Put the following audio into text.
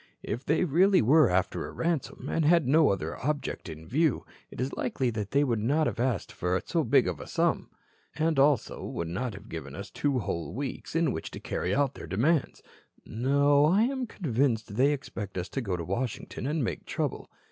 If they really were after a ransom, and had no other object in view, it is likely they would not have asked for so big a sum, and also would not have given us two whole weeks in which to carry out their demands. No, I am convinced they expect us to go to Washington and make trouble.